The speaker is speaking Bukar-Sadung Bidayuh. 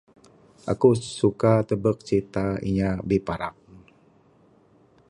Aku suka tebek crita inya biparang.